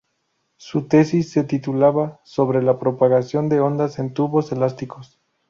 Su tesis se titulaba "Sobre la propagación de ondas en tubos elásticos".